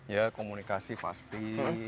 ya komunikasi pasti